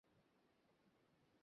ওরা সারাক্ষণ বাড়িতে একা একা থাকে।